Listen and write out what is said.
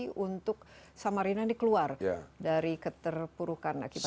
apa situasi untuk samarina dikeluar dari keterpurukan akibat covid